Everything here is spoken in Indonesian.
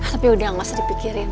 tapi udah gak usah dipikirin